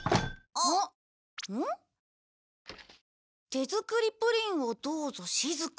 「手作りプリンをどうぞしずか」